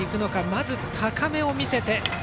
まず高めを見せて。